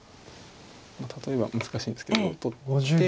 例えばは難しいんですけど取って。